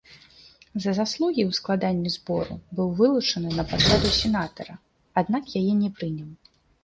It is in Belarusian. За заслугі ў складанні збору быў вылучаны на пасаду сенатара, аднак яе не прыняў.